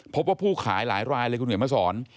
พบว่าผู้ขายหลายรายเลยคุณเขียนมาสอน